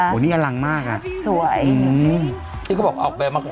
โหนี่อัลลังค์มาก